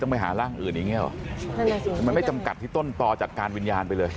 ต้องไปหาร่างอื่นอย่างนี้หรอมันไม่จำกัดที่ต้นต่อจากการวิญญาณไปเลย